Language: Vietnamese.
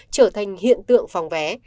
trở thành hiện tượng phòng vé